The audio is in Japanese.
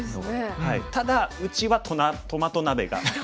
ただうちはトマト鍋が好きです。